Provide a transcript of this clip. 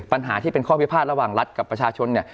ปัญหาที่เป็นข้อวิภาษณ์ระหว่างรัฐกับประชาชน